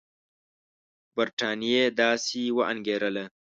برټانیې داسې وانګېرله.